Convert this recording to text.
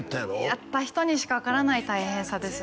やった人にしか分からない大変さです